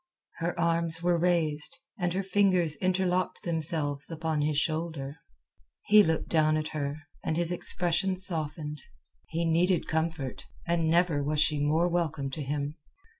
Her arms were raised, and her fingers interlocked themselves upon his shoulder. He looked down at her, and his expression softened. He needed comfort, and never was she more welcome to him.